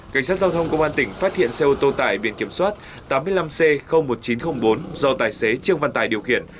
cảnh sát giao thông công an tỉnh phát hiện xe ô tô tải biển kiểm soát tám mươi năm c một nghìn chín trăm linh bốn do tài xế trương văn tài điều khiển